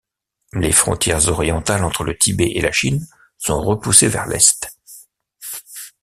Les frontières orientales entre le Tibet et la Chine sont repoussées vers l’est.